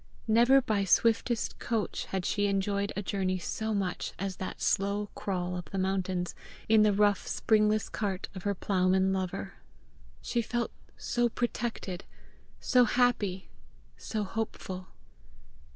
Never by swiftest coach had she enjoyed a journey so much as that slow crawl up the mountains in the rough springless cart of her ploughman lover! She felt so protected, so happy, so hopeful.